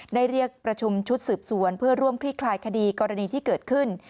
เรียกประชุมชุดสืบสวนเพื่อร่วมคลี่คลายคดีกรณีที่เกิดขึ้น